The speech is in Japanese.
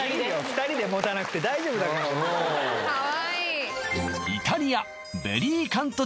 ２人で持たなくて大丈夫だからもう・かわいい！